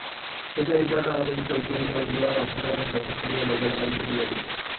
সুচরিতা তাড়াতাড়ি চৌকি হইতে উঠিয়া পাশের ঘরে প্রবেশ করিয়া বেগে দ্বার ভেজাইয়া দিল।